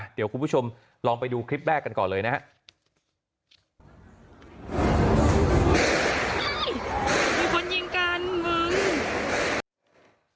เดี๋ยวคุณผู้ชมลองไปดูคลิปแรกกันก่อนเลยนะครับ